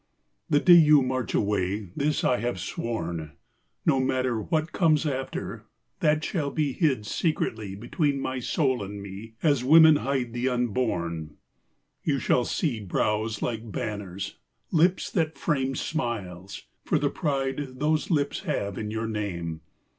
The day you march away this I have sworn, No matter what comes after, that shall be Hid secretly between my soul and me As women hide the unborn You shall see brows like banners, lips that frame Smiles, for the pride those lips have in your name.